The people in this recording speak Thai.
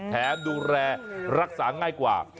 ดูแลรักษาง่ายกว่า